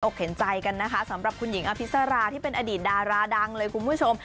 เห็นใจกันนะคะสำหรับคุณหญิงอภิษราที่เป็นอดีตดาราดังเลยคุณผู้ชม